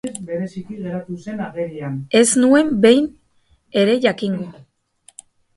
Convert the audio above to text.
Ez nuen behin ere jakingo.